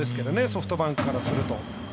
ソフトバンクからすると。